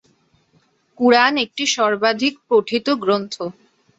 কুরআন একটি সর্বাধিক পঠিত গ্রন্থ।